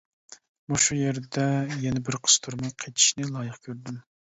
مۇشۇ يەردە يەنە بىر قىستۇرما قېتىشنى لايىق كۆردۈم.